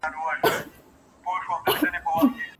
د شاګرد ژبه سمول د لارښود استاد کار نه دی.